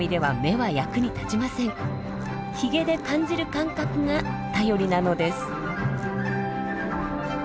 ヒゲで感じる感覚が頼りなのです。